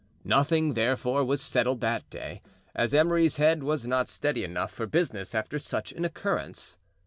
Nothing, therefore, was settled that day, as Emery's head was not steady enough for business after such an occurrence.